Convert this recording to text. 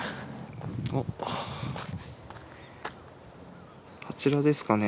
おっあちらですかね？